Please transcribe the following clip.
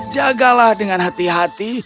jagalah dengan hati hati